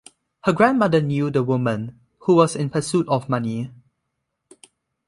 Her grandmother knew the woman, who was in pursuit of money.